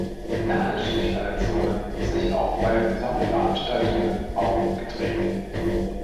Nadelstichverletzungen sich auch bei Sommerveranstaltungen aufgetreten.